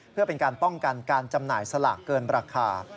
เพื่อเป็นการป้องกันการจำหน่ายสลากเกินราคา